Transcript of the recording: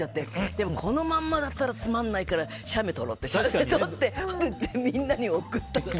でも、このまんまだったらつまんないから写メ撮ろうって、撮ってみんなに送ったんです。